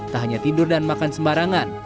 tak hanya tidur dan makan sembarangan